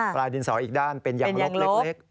ปลายดินสออีกด้านเป็นยางลบเล็ก